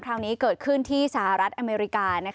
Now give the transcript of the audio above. คราวนี้เกิดขึ้นที่สหรัฐอเมริกา